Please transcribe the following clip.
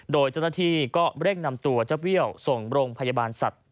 โดยเจ้าหน้าที่ก็เร่งนำตัวเจ้าเบี้ยวส่งโรงพยาบาลสัตว์